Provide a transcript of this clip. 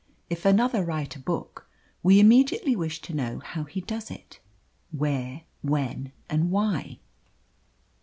If another write a book, we immediately wish to know how he does it, where, when, and why.